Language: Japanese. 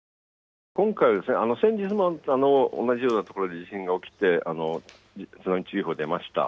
今回は先日も同じような所で地震が起きて、津波注意報出ました。